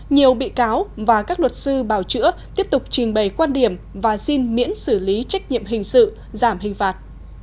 nhiều bị cáo và các luật sư bào chữa tiếp tục trình bày quan điểm và xin miễn xử lý trách nhiệm hình sự giảm hình phạt